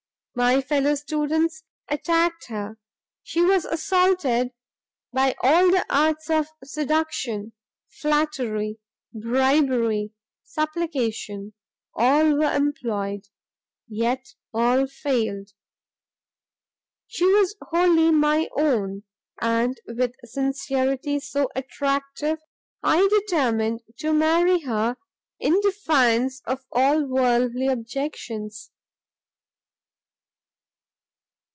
My fellow students attacked her; she was assaulted by all the arts of seduction; flattery, bribery, supplication, all were employed, yet all failed; she was wholly my own; and with sincerity so attractive, I determined to marry her in defiance of all worldly objections.